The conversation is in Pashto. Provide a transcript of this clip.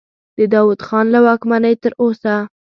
د داود خان له واکمنۍ تر اوسه.